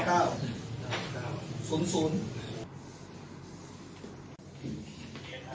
กล้องไม่ได้ครับ